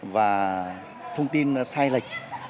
và thông tin sai lệch